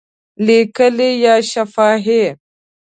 لیکلي یا شفاهی؟